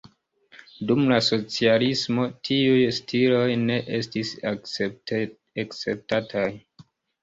Dum la socialismo tiuj stiloj ne estis akceptataj.